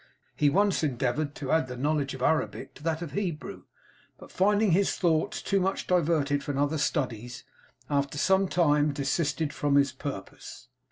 He once endeavoured to add the knowledge of Arabick to that of Hebrew; but finding his thoughts too much diverted from other studies, after some time desisted from his purpose.